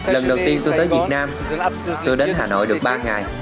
lần đầu tiên tôi tới việt nam tôi đến hà nội được ba ngày